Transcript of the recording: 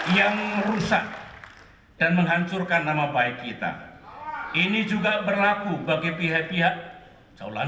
yang merusak dan menghancurkan nama baik kita